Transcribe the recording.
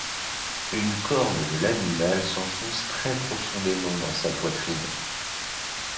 Une corne de l'animal s'enfonce très profondément dans sa poitrine.